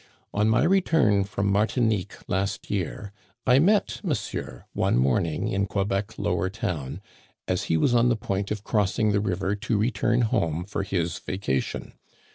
On my return from Martinique last year, I met monsieur one morning in Quebec Lower Town as he was on the point of cross ing the river to return home for his vacation.